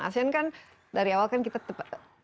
asean kan dari awal kan kita